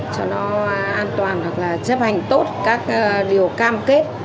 cho nó an toàn hoặc là chấp hành tốt các điều cam kết